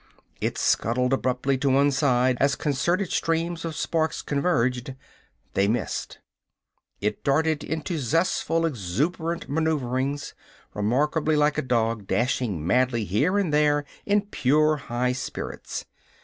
It scuttled abruptly to one side as concerted streams of sparks converged. They missed. It darted into zestful, exuberant maneuverings, remarkably like a dog dashing madly here and there in pure high spirits.